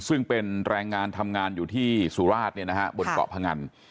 ซึ่งเป็นแรงงานทำงานอยู่ที่สุราชบนเกาะพงัน